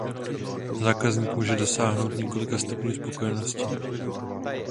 Zákazník může dosáhnout několika stupňů spokojenosti.